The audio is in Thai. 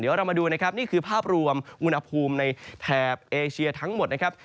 เดี๋ยวเรามาดูนะครับนี่คือภาพรวมอุณหภูมิในแถบเอเชียทั้งหมดนะครับ